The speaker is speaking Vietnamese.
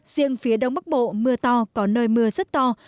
riêng phía đông bắc bộ mưa to có nơi mưa rất to